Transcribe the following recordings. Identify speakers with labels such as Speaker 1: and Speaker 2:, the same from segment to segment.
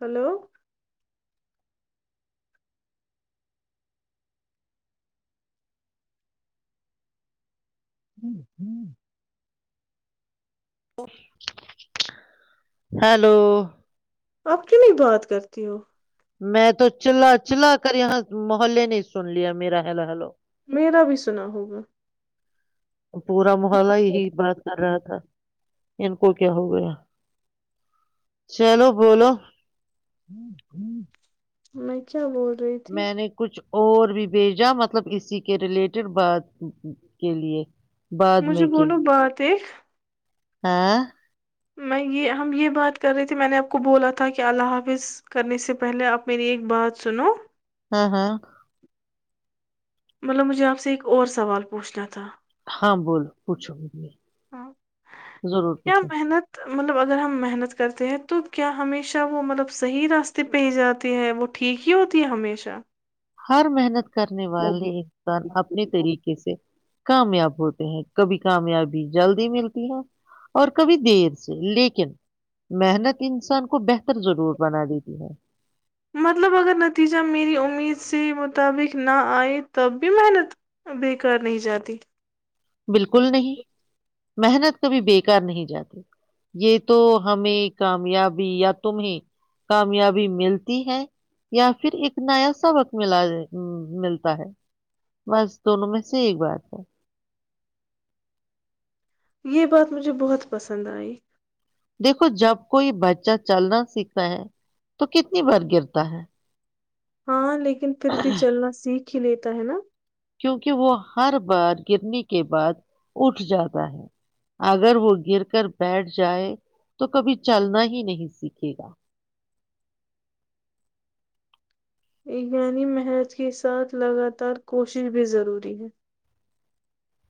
Speaker 1: Hello ہوں ہوں
Speaker 2: hello
Speaker 1: آپ کیوں نہیں بات کرتی ہو
Speaker 2: میں تو چلہ چلا کر یہاں سے محلے نہیں سن لیا میرا حل حلو
Speaker 1: میرا بھی سنا ہوگا
Speaker 2: پورا محلہ ہی بات کر رہا تھا ان کو کیا ہو گیا چلو بولو
Speaker 1: ہ نہیں کیا بول رہی تھی
Speaker 2: میں نے کچھ اور بھی بھیجا مطلب اسی کے ریلیٹڈ بات کے لیے
Speaker 1: مجھے بولو بات ایک
Speaker 2: آاں
Speaker 1: میں یہ ہم یہ بات کر رہے تھے میں نے آپ کو بولا تھا کہ اللہ حافظ کرنے سے پہلے آپ میری ایک بات سنو
Speaker 2: ہاں ہاں
Speaker 1: مطلب مجھے آپ سے ایک اور سوال پوچھنا تھا
Speaker 2: ہاں بولو پوچھو مجھے
Speaker 1: ہ
Speaker 2: ضرور
Speaker 1: کیا
Speaker 2: پوچھو
Speaker 1: محنت مطلب اگر ہم محنت کرتے ہیں تو کیا ہمیشہ وہ مطلب صحیح راستے پہ ہی جاتے ہیں وہ ٹھیک ہی ہوتی ہے ہمیشہ
Speaker 2: ہر محنت کرنے
Speaker 1: ہ
Speaker 2: والے انسان اپنے طریقے سے کامیاب ہوتے ہیں کبھی کامیابی جلدی ملتی ہے اور کبھی دیر سے لیکن محنت انسان کو بہتر ضرور بنا دیتی ہے
Speaker 1: مطلب اگر نتیجہ میری امید سے مطابق نہ آئے تب بھی محنت بےیکار نہیں جاتی
Speaker 2: بالکل نہیں محنت کبھی بےیکار نہیں جاتی یہ تو ہمیں کامیابی یا تمہیں کامیابی ملتی ہے یا پھر ایک نیا سبق ملا ملتا ہے بس دونوں میں سے ایک بات ہے
Speaker 1: یہ بات مجھے بہت پسند آئی
Speaker 2: دیکھو جب کوئی بچہ چلنا سیکھتا ہے تو کتنی بار گرتا ہے
Speaker 1: ہاں ل لیکن پھر بھی چلنا سیکھ ک لیتا ہے نا
Speaker 2: کیکہ وہ ہر بار گرنے کے بعد اٹھ جاتا ہے اگر وہ گر کر بیٹھ جائے تو کبھی چلنا ہی نہیں سیکھے گا
Speaker 1: یعنی محنت کے ساتھ لگاتار کوشش بھی ضروری ہے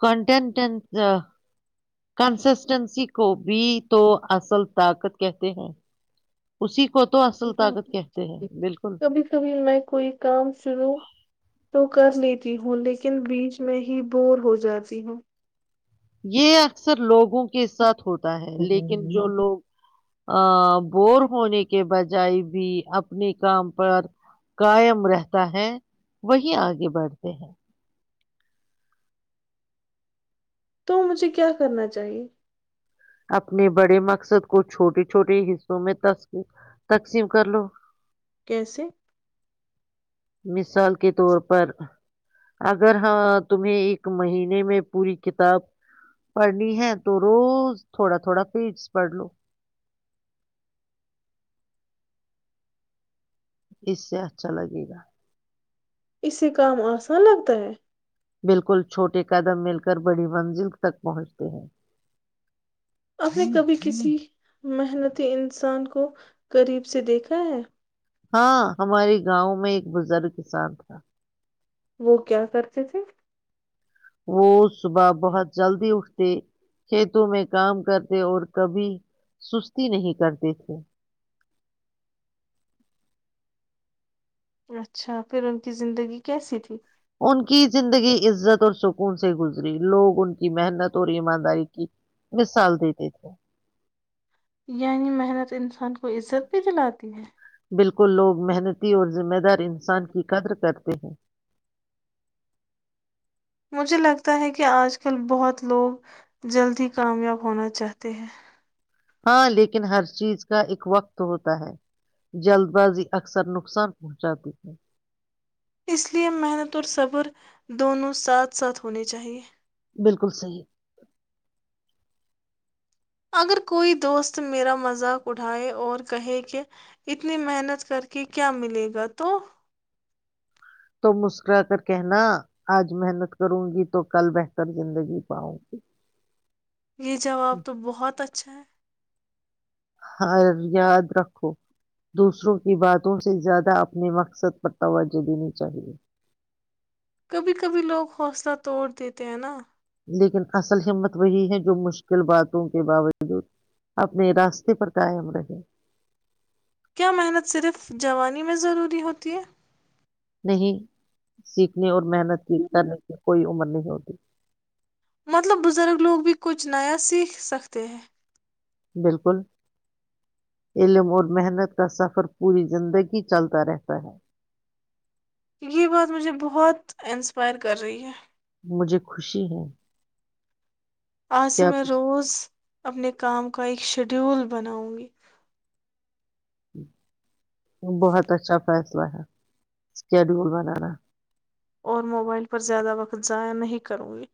Speaker 2: ک کنٹن کوبھی تو اصل طاقت کہتے ہیں اسی کو تو اصل طاقت کہتے ہیں بالکل
Speaker 1: کبھی کبھی میں کوئی کام شروع تو کر لی ت ہوں لیکن بیچ میں ہی بور ہو جاتی ہوں
Speaker 2: یہ اکثر لوگوں کے ساتھ ہوتا ہے لیکن جو لوگ ا بور ہونے کے بجائے بھی اپنے کام پر کاائم رہتا ہے وہی آگے بڑھتے ہیں
Speaker 1: تو مجھے کیا کرنا چاہیے
Speaker 2: اپنے بڑے مقصد کو چھوٹے چھوٹے حصوں میں ت تقسیم کر لو
Speaker 1: کیسے
Speaker 2: مثال کے طور پر اگر ہاں تمہیں ایک مہینے میں پوری کتاب پڑھنی ہے تو روز تھوڑا تھوڑا فیس پڑھ لو اس سے اچھا لگے گا
Speaker 1: اسسی کام آنا لگتا ہے
Speaker 2: بالکل چھوٹے قدم مل کر بڑی منزل تک پہنچتے ہیں
Speaker 1: آ نے کبھی کسی محنتی انسان کو قریب سے دیکھا ہے
Speaker 2: ہاں ہمارے گاؤں میں ایک بزرگ کسان تھا
Speaker 1: وہ کیا کرتے تھے
Speaker 2: وہ صبح بہت جلدی اٹھ کھیتوں میں کام کرتے اور کبھی سستی نہیں کرتے تھے
Speaker 1: اچھا پھر ان کی زندگی کیسی تھی
Speaker 2: ان کی زندگی عزت اور سکون سے گزری لوگ ان کی محنت اور ایمانداری کی مثال دیتے تھے
Speaker 1: یعنی محنت انسان کو عزت بھی دلاتی ہے
Speaker 2: بالکل لوگ محنتی اور ذمہ دار انسان کی قدر کرتی ا
Speaker 1: مجھے لگتا ہے کہ آج کل بہت لوگ جلد ہی کامیاب ہونا چاہتے ہیں
Speaker 2: ہاں لیکن ہر چیز کا ایک وقت ہوتا ہے جلد بازی اکثر نقصان پہنچاتی ہے
Speaker 1: اس لیے محنت اور صبر دونوں ساتھ ساتھ ہونے چاہیے
Speaker 2: بالکل صحیح
Speaker 1: اگر کوئی دوست میرا مذاق اٹھائے اور کہے کہ اتنی محنت کر کےے کیا ملے گا تو
Speaker 2: تو مسکرا کر کہنا آج محنت کروں گی تو کل بہتر زندگی پاؤں گی
Speaker 1: یہ جواب تو بہت اچھا ہے
Speaker 2: ہر یاد رکھو دوسروں کی باتوں سے زیادہ اپنے مقصد پر توجہ دینی چاہیے
Speaker 1: کبھی کبھی لوگ حوصلہ توڑ دیتے ہیں نا
Speaker 2: لیکن اصل ہمت وہی ہے جو مشکل باتوں کے باوجود اپنے راستے پر قائم رہے
Speaker 1: کیا محنت صرف جوانی میں ضروری ہوتی ہے؟
Speaker 2: نہیں سیکھنے اور محنت کرنے کی کوئی عمر نہیں ہوتی
Speaker 1: مطلب بزرگ لوگ بھی کچھ نیا سیکھ سکتے ہیں
Speaker 2: بالکل علم اور محنت کا سفر پوری زندگی چلتا رہتا ہے
Speaker 1: یہ بات مجھے بہت انسپائر کر رہی ہے
Speaker 2: مجھے خوشی ہے
Speaker 1: آج
Speaker 2: کہ
Speaker 1: سے میں
Speaker 2: آپ اس
Speaker 1: روز اپنے کام کو کا ایک شیڈیول بناؤں گی
Speaker 2: ہی بہت اچھا فیس شڈیول بنانا
Speaker 1: اور موبائل پر زیادہ وقت ضائع نہیں کروں گی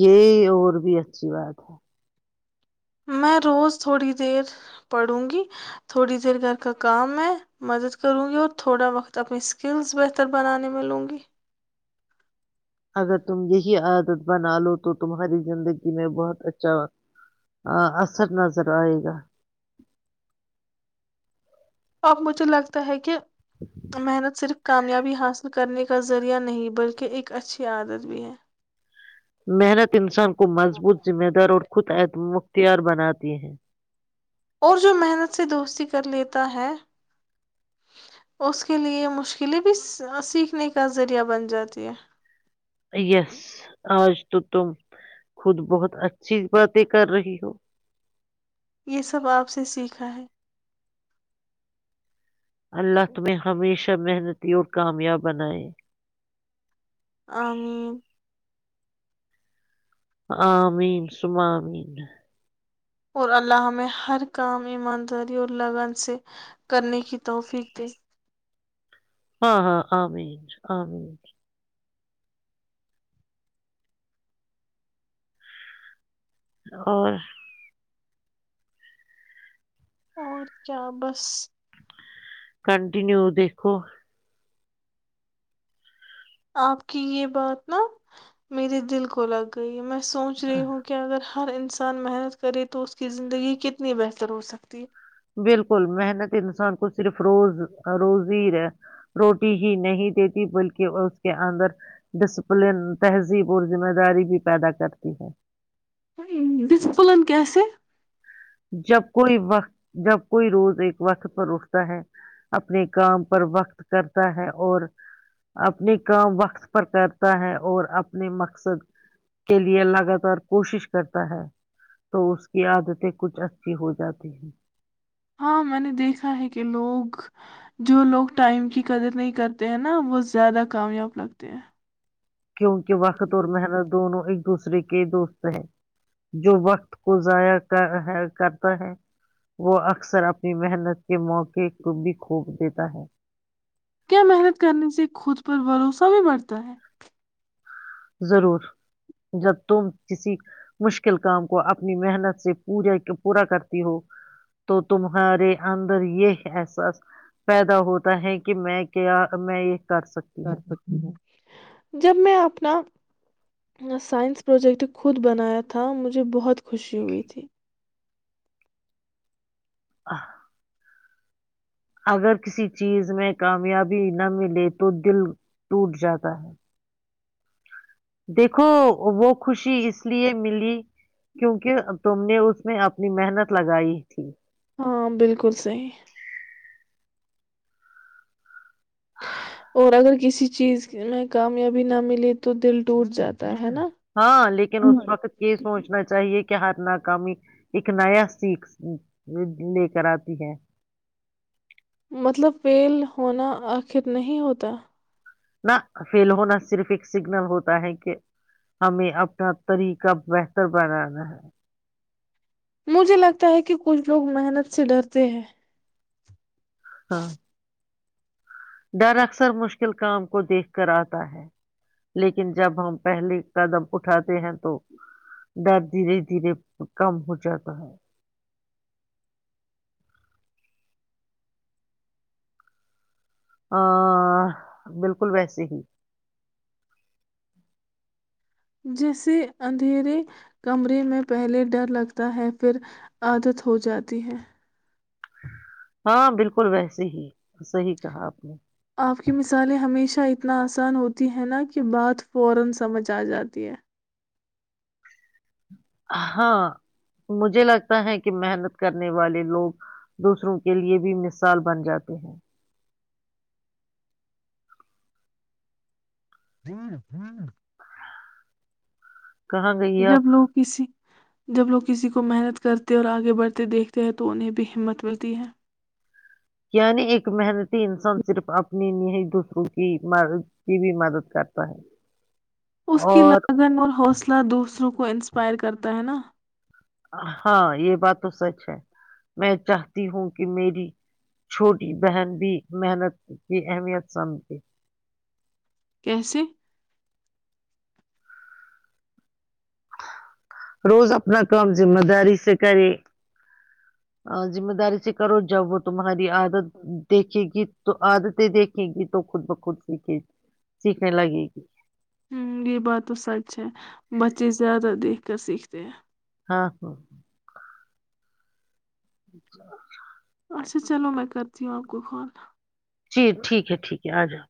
Speaker 2: یہ اور بھی اچھی بات ہے
Speaker 1: میں روز تھوڑی دیر پڑھوں گی تھوڑی دیر گھر کا کام ہے مدد کروں گی اور تھوڑا وقت اپنی اسکلز بہتر بنانے میں لوں گی
Speaker 2: اگر تم یہی عادت بنا لو تو تمہاری زندگی میں بہت اچھا اثر نظر آئے گا
Speaker 1: اب مجھے لگتا ہے کہ تو محنت صرف کامیابی حاصل کرنے کا ذریعہ نہیں بلکہ ایک اچھی عادت بھی ہے
Speaker 2: محنت انسان کو مضبوط
Speaker 1: ہ
Speaker 2: ذمہ دار اور خود اعت مت اختیار بناتی ہیں
Speaker 1: اور جو محنت سے دوستی کر لیتا ہے اس کے لئے مشکلیں بھی سیکھنے کا ذریعہ بن جاتی ہے
Speaker 2: یس آج تو تم خود بہت اچھی باتیں کر رہی ہو
Speaker 1: یہ سب آپ سے سیکھا ہے
Speaker 2: اللہ تمہیں ہمیشہ محنتی اور کامیاب بنائے
Speaker 1: ا
Speaker 2: آ مین سم مین
Speaker 1: اور الللہ ہمہ ہر کام ایمانداری اور لگن سے کرنے کی توفیق دے
Speaker 2: ہاں ہاں ع آ اور
Speaker 1: اور کیا بس
Speaker 2: کنٹیینیو دیکھو
Speaker 1: آپ کی یہ بات نا میرے دل کو لگ گئی ہے میں سوچ رہی ہوں کہ اگر ہر انسان محنت کرے تو اس کی زندگی کتنی بہتر ہو سکتی
Speaker 2: بالکل محنت انسان کو صرف روز روزی روٹی ہی نہیں دیتی بلکہ اس کے اندر ڈسپلن تہذیب اور ذمہ داری بھی پیدا کرتی ہے
Speaker 1: د پلن کی سے
Speaker 2: جب کوئی وقت جب کوئی روز ایک وقت پر اٹھتا ہے اپنے کام پر وقت کرتا ہے اور اپنے کام وقت پر کرتا ہے اور اپنے مقصد کے لیے لگاتار کوشش کرتا ہے تو اس کی عادتیں کچھ اچھے ہو جاتے ہیں
Speaker 1: ہاں میں نے دیکھا ہے کہ لوگ جو لوگ ٹائم کی قدر نہیں کرتے ہیں نا وہ زیادہ کامیاب لگتے ہیں
Speaker 2: کیونکہ وقت اور محنت دونوں ایک دوسرے کے دوست ہے جو وقت کو ضائع کرتا ہے وہ اکثر اپنی محنت کے موقع کو بھی کھوپ دیتا ہے
Speaker 1: کیا محنت کرنے سے خود پر بھروسہ بھی بڑھتا ہے
Speaker 2: ضرور جب تم کسی مشکل کام کو اپنی محنت سے پا پورا کرتی ہو تو تمہارے اندر یہ احساس پیدا ہوتا ہے کہ میں کیا میں یہ کر سکتی
Speaker 1: کر
Speaker 2: ہوں
Speaker 1: سکتی ہ جب میں اپنا میں سائنس پروجیکٹ خود بنایا تھا مجھے بہت خوشی ہوئی تھی
Speaker 2: اچھا اگر کسی چیز میں کامیابی نہ ملے تو دل ٹوٹ جاتا ہے دیکھو وہ خوشی اس لیے ملی کیونکہ تم نے اس میں اپنی محنت لگائی تھی
Speaker 1: ہاں بالکل صحیح اور اگر کسی چیز میں کامیابی نہ ملے تو دل ٹوٹ جاتا ہے نا
Speaker 2: ہاں لیکن اس وقت یہ سوچنا چاہیے کہ ہھ ناکامی ایک نیا سیکھ لے کر آتی ہے
Speaker 1: مطلب فیل ہونا آخر نہیں ہوتا
Speaker 2: ن فیل ہونا صرف ایک سگنل ہوتا ہے کہ ہمیں اپنا طریقہ بہتر بنانا ہے
Speaker 1: مجھے لگتا ہے کہ کچھ لوگ محنت سے ڈرتے ہیں
Speaker 2: ہاں ڈر اکثر مشکل کام کو دیکھ کر آتا ہے لیکن جب ہم پہلے قدم اٹھاتے ہیں تو ڈر دھیرے دھیرے کم ہو جاتا ہے ہ بالکل ویسے ہی
Speaker 1: جیسے اندھیرے کمرے میں پہلے ڈر لگتا ہے پھر عادت ہو جاتی ہے
Speaker 2: ہاں بالکل ویسے ہیس ہی کہا آپ نے
Speaker 1: آپ کی مثالیں ہمیشہ اتنا آسان ہوتی ہے نا کہ بات فورا سمجھ آ جاتی ہے
Speaker 2: ہاں مجھے لگتا ہے کہ محنت کرنے والے لوگ دوسروں کے لیے بھی مثال بن جاتے ہیں کہاں گئی
Speaker 1: جب
Speaker 2: آپ
Speaker 1: لوگ کسی جب لوگ کسی کو محنت کرتے اور آگے بڑھتے دیکھتے ہیں تو انہیں بھی ہمت ملتی ہے
Speaker 2: یعنی ایک محنتی انسان صرف اپنی نہی دوسروں کی کی بھی مدد کرتا ہے
Speaker 1: اس کی
Speaker 2: اور
Speaker 1: لگن اور حوصلہ دوسروں کو ان پائر کرتا ہے نا
Speaker 2: ہاں یہ بات تو سچ ہے میں چاہتی ہوں کہ میری چھوٹی بہن بھی محنت کی اہمیت سمجھے
Speaker 1: کیسے
Speaker 2: روز اپنا کام ذمہ داری سے کرے ذمہ داری سے کرو جب وہ تمہاری عادت دیکھے گی تو عادتیں دیکھیں گی تو خود بخود سیکھے سیکھنے لگے گی
Speaker 1: ہ یہ بات تو سچ ہے بچے زیادہ دیکھ کر سیکھتے ہیں
Speaker 2: ہاں ہاں ہ اچھا
Speaker 1: اچھا چلو میں کرتی ہوں آپ کو کال
Speaker 2: جی ٹھیک ہے ٹھیک ہے آ جاؤ